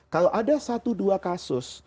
kalau ada satu dua kasus